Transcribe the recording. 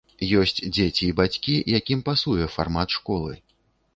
Ёсць дзеці і бацькі, якім пасуе фармат школы.